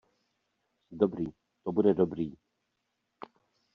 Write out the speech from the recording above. Dobrý, to bude dobrý...